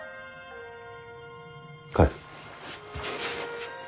帰る。